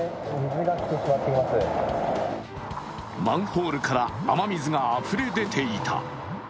マンホールから雨水があふれ出ていた。